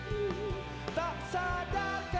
tidak ingin anda